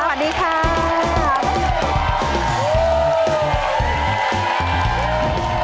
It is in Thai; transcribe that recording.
สวัสดีครับ